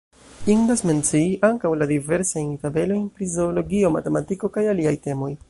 Indas mencii ankaŭ la diversajn tabelojn pri zoologio, matematiko kaj aliaj temoj.